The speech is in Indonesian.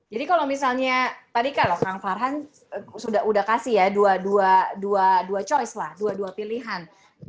jadi kalau misalnya tadi kan kang farhan sudah kasih ya dua pilihan